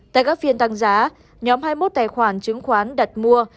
tại các phiên tăng giá nhóm hai mươi một tài khoản chứng khoán đặt mua